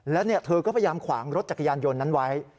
แล้วเธอก็พยายามขวางรถจักรยานยนต์นั้นไว้